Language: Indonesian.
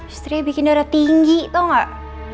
istrinya bikin darah tinggi tau gak